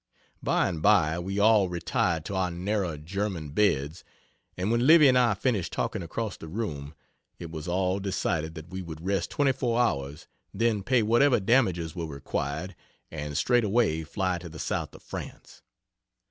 By and by we all retired to our narrow German beds; and when Livy and I finished talking across the room, it was all decided that we would rest 24 hours then pay whatever damages were required, and straightway fly to the south of France.